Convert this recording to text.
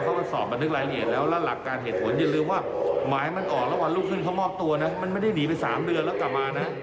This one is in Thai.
เขาสอบมันทึกรายละเอียดแล้ว